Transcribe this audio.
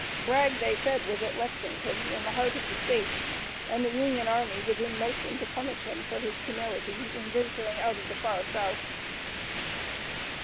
Bragg, they said, was at Lexington, in the heart of the state, and the Union army was in motion to punish him for his temerity in venturing out of the far south.